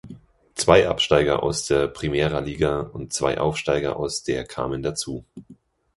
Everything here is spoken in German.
Zwei Absteiger aus der Primeira Liga und zwei Aufsteiger aus der kamen dazu.